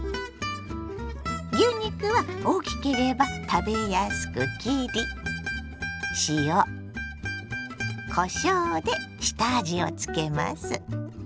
牛肉は大きければ食べやすく切り下味をつけます。